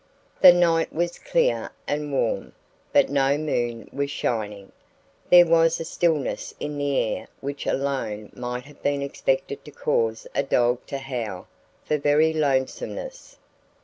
The night was clear and warm, but no moon was shining. There was a stillness in the air which alone might have been expected to cause a dog to howl for very lonesomeness.